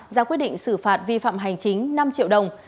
ra quyết định xử phạt vi phạm hành chính năm triệu đồng